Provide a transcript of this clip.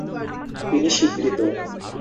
তিনি স্বীকৃত।